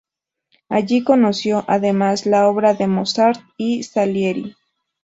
Allí conoció, además, la obra de Mozart y Salieri.